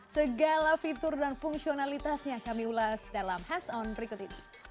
segala fitur dan fungsionalitas yang kami ulas dalam hes on berikut ini